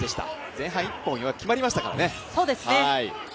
前半１本決まりましたからね。